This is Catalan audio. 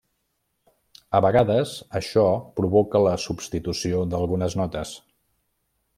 A vegades, això provoca la substitució d'algunes notes.